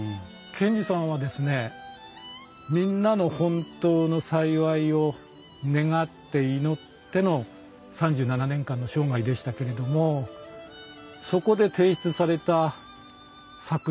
賢治さんはみんなの本当の幸いを願って祈っての３７年間の生涯でしたけれどもそこで提出された作品生き方はですね